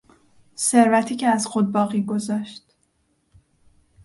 ثروتی که از خود باقی گذاشت